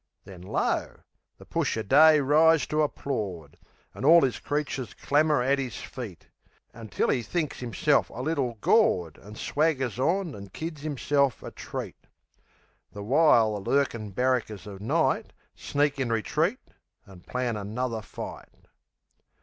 Then, lo! the push o' Day rise to applaud; An' all 'is creatures clamour at 'is feet Until 'e thinks'imself a little gawd, An' swaggers on an' kids 'imself a treat. The w'ile the lurkin' barrackers o' Night Sneak in retreat an' plan another fight.